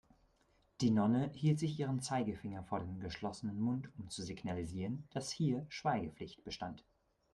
Die Nonne hielt sich ihren Zeigefinger vor den geschlossenen Mund, um zu signalisieren, dass hier Schweigepflicht bestand.